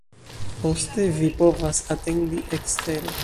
Poste; vi povas atendi ekstere.